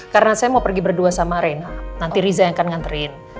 karena saya mau pergi berdua sama rina nanti riza yang akan nganterin